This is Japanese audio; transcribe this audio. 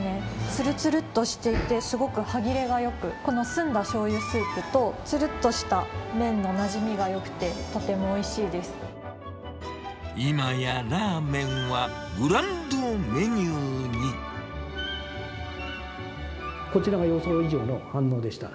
つるつるっとしていて、すごく歯切れがよく、この澄んだしょうゆスープと、つるっとした麺のなじみがよくて、今やラーメンは、こちらが予想以上の反応でした。